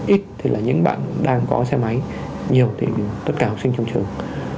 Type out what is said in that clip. ít thì là những bạn đang có xe máy nhiều thì tất cả học sinh trong trường